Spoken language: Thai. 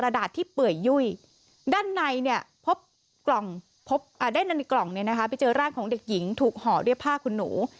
ได้ในกล่องไปเจอร่างของเด็กหญิงถูกห่อด้วยผ้าคุณหนู